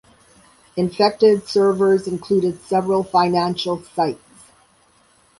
Infected servers included several financial sites.